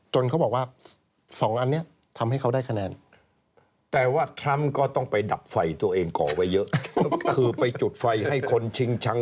จนเขาบอกว่า๒อันนี้ทำให้เขาได้คะแนน